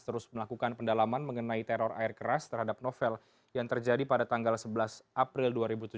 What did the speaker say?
terus melakukan pendalaman mengenai teror air keras terhadap novel yang terjadi pada tanggal sebelas april dua ribu tujuh belas